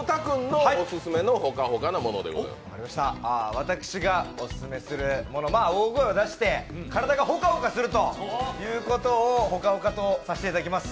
私がオススメするものは大声を出して体がホカホカすることをホカホカとさせていただきます